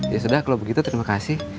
ya sudah kalau begitu terima kasih